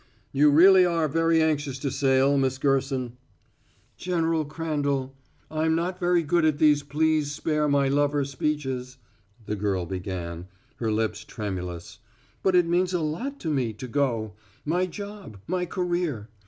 "You really are very anxious to sail, Miss Gerson?" "General Crandall, I'm not very good at these please spare my lover speeches," the girl began, her lips tremulous. "But it means a lot to me to go; my job, my career.